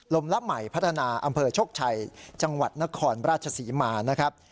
ลมละใหม่พัฒนาอำเภอโชคชัยจังหวัดนครราชศรีมานะครับ